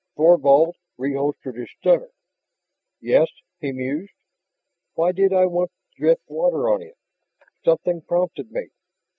Thorvald reholstered his stunner. "Yes," he mused, "why did I want to drip water on it? Something prompted me